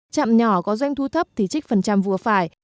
trạm nhỏ có doanh thu thấp thì trích phần trăm vừa phải